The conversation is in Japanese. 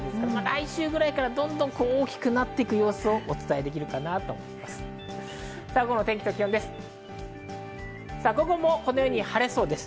来週ぐらいからどんどん大きくなっていく様子をお伝えできるかなと思います。